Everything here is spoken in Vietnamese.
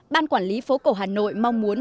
ban quản lý phố cổ hà nội mong muốn